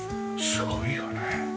すごいよね。